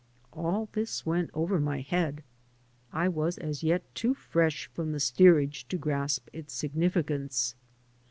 All this went over my head. I was as yet too fresh from the steerage to grasp its significance.